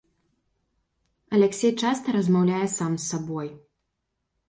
Аляксей часта размаўляе сам з сабой.